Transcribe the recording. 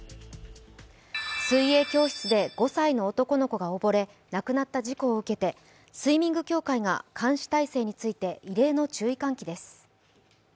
水泳教室で５歳の男の子が溺れ、亡くなった事故を受けてスイミング協会が監視体制について異例の注意喚起です。